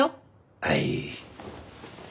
はい。